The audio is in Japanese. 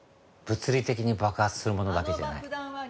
物理的に爆発するものだけじゃない。